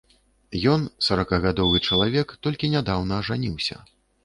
Ён, саракагадовы чалавек, толькі нядаўна ажаніўся.